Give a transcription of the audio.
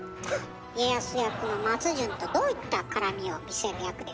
家康役の松潤とどういったカラミを見せる役ですか？